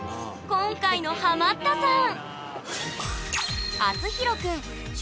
今回のハマったさん！